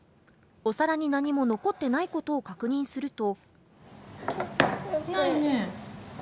お皿に何も残っていないことを確認すると。